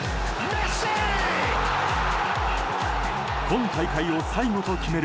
今大会を最後と決める